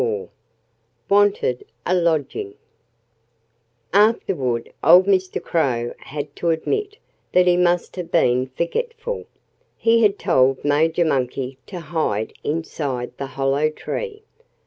IV Wanted A Lodging Afterward old Mr. Crow had to admit that he must have been forgetful. He had told Major Monkey to hide inside the hollow tree.